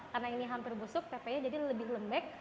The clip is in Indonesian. karena ini hampir busuk tempenya jadi lebih lembek